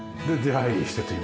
はい。